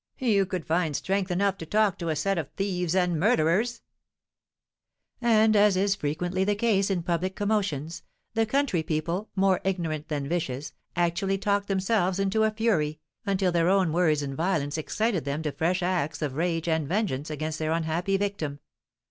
"You could find strength enough to talk to a set of thieves and murderers!" And, as is frequently the case in public commotions, the country people, more ignorant than vicious, actually talked themselves into a fury, until their own words and violence excited them to fresh acts of rage and vengeance against their unhappy victim.